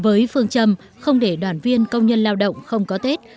với phương châm không để đoàn viên công nhân lao động không có tết